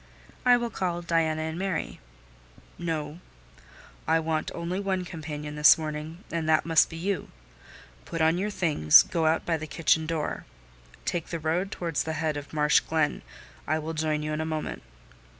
"I will call Diana and Mary." "No; I want only one companion this morning, and that must be you. Put on your things; go out by the kitchen door: take the road towards the head of Marsh Glen: I will join you in a moment."